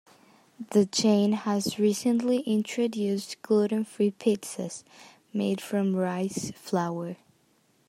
The chain has recently introduced gluten-free pizzas, made from rice flour.